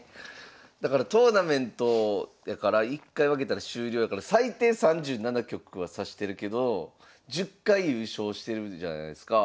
だからトーナメントだから１回負けたら終了やから最低３７局は指してるけど１０回優勝してるじゃないすか。